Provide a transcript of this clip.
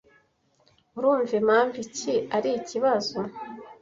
Urumva impamvu iki ari ikibazo?